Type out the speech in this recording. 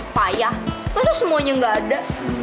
payah masa semuanya gak ada